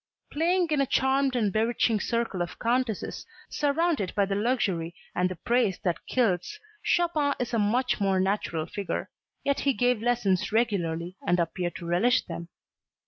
Playing in a charmed and bewitching circle of countesses, surrounded by the luxury and the praise that kills, Chopin is a much more natural figure, yet he gave lessons regularly and appeared to relish them.